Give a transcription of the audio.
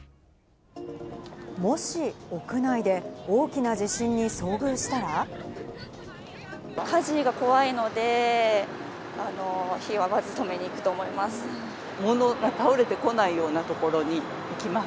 もし屋内で大きな地震に遭遇火事が怖いので、火をまず止めに行くと思います。